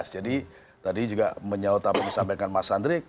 jadi tadi juga menyaut apa yang disampaikan mas andri